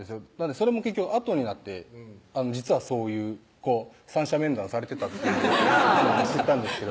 それも結局あとになって実はそういう三者面談されてたっていうのを知ったんですけど